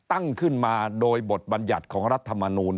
ตั้งขึ้นมาโดยบทบัญญัติของรัฐมนูล